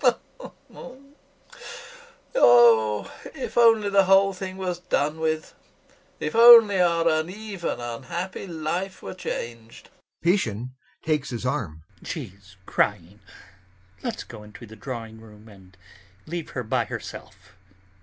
[Weeps] Oh, if only the whole thing was done with, if only our uneven, unhappy life were changed! PISCHIN. [Takes his arm; in an undertone] She's crying. Let's go into the drawing room and leave her by herself...